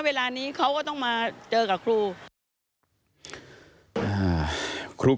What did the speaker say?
เวลานี้เขาก็ต้องมาเจอกับครู